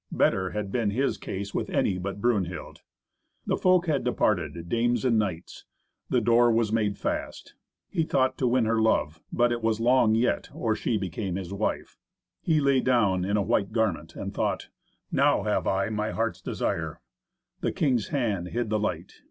Better had been his case with any but Brunhild. The folk had departed, dames and knights. The door was made fast. He thought to win her love, but it was long yet or she became his wife. He lay down in a white garment and thought, "Now have I my heart's desire." The king's hand hid the light.